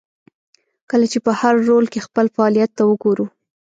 کله چې په هر رول کې خپل فعالیت ته وګورو.